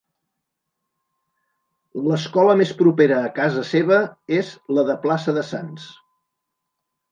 L'escola més propera a casa seva és la de plaça de Sants.